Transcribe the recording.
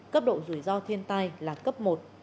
cấp độ rủi ro thiên tai là cấp một